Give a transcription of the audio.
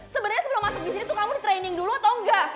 sebenernya sebelum masuk disini tuh kamu di training dulu atau enggak